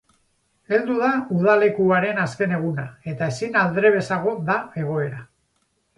Heldu da udalekuaren azken eguna eta ezin aldrebesago da egoera.